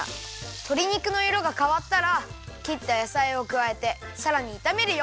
とり肉のいろがかわったらきったやさいをくわえてさらにいためるよ。